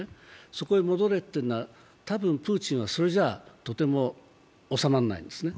そこへ戻れというのは多分プーチンはそれではとても収まらないんですね。